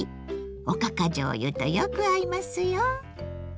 おかかじょうゆとよく合いますよ。